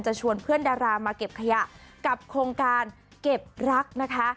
ชวนเพื่อนดารามาเก็บขยะกับโครงการเก็บรักนะคะ